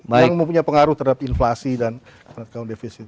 yang mempunyai pengaruh terhadap inflasi dan account deficit